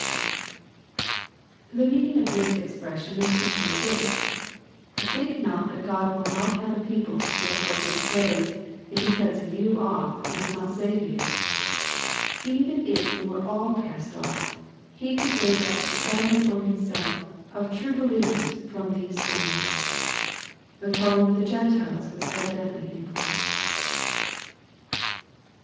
] The meaning of this express sion is simply this: "Think not that Qtod will not have a people to show forth His praise, if He cuts you off and does not save you. Even if you were all cast off, He could raise up a family for J9tm« 9e^ of true believers from these stones." The calUng of the Gen tiles was evidently implied. 14.